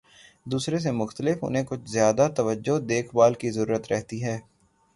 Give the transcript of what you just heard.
دوسرے سے مختلف، انہیں کچھ زیادہ توجہ، دیکھ بھال کی ضرورت رہتی ہے۔